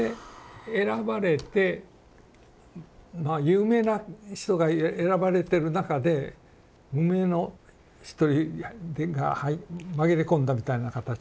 まあ有名な人が選ばれてる中で無名の一人が紛れ込んだみたいな形で選ばれて入って。